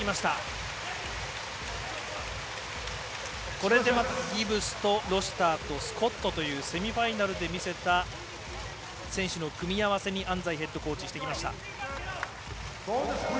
これでギブスとロシターとスコットというセミファイナルで見せた選手の組み合わせに安齋ヘッドコーチしてきました。